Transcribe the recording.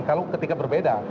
kalau ketika berbeda